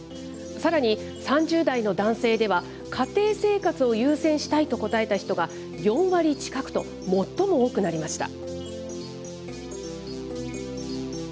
さらに３０代の男性では、家庭生活を優先したいと答えた人が４割近くと、最も多くなりました。